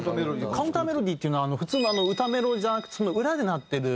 カウンター・メロディーっていうのは普通の歌メロじゃなくてその裏で鳴ってる。